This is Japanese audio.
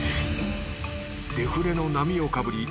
デフレの波をかぶり